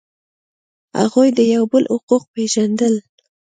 هغوی د یو بل حقوق پیژندل.